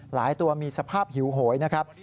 ตัวมีสภาพหิวโหยนะครับ